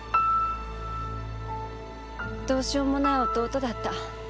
どうしようもない弟だった。